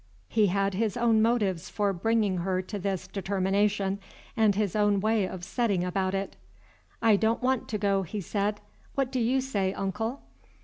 He had his own motives for bringing her to this determination, and his own way of setting about it. "I don't want to go," he said. "What do you say, uncle?"